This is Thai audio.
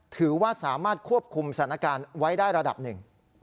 ถือว่าสามารถควบคุมสถานการณ์ไว้ได้ระดับหนึ่ง